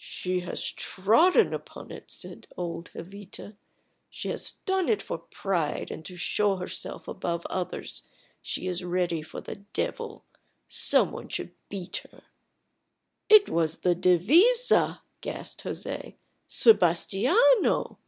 "She has trodden upon it," said old Jovita. "She has done it for pride, and to show herself above others. She is ready for the devil. Some one should beat her." "It was the devisa," gasped José. "Sebastiano."